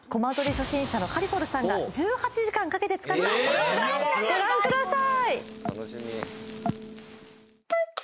初心者のかりこるさんが１８時間かけて作った動画ご覧ください